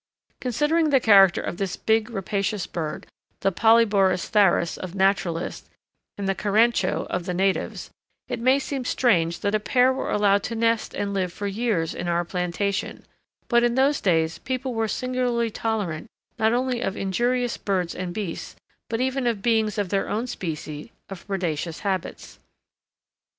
Considering the character of this big rapacious bird, the Polyborus tharus of naturalists and the carancho of the natives, it may seem strange that a pair were allowed to nest and live for years in our plantation, but in those days people were singularly tolerant not only of injurious birds and beasts but even of beings of their own species of predaceous habits.